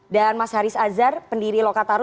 dan mas haris azhar pendiri lokataru